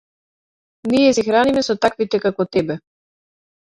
Ние се храниме со таквите како тебе.